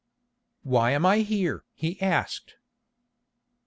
"Why am I here?" he asked.